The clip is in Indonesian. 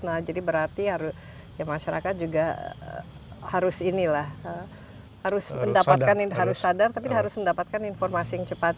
nah jadi berarti masyarakat juga harus sadar tapi harus mendapatkan informasi yang cepat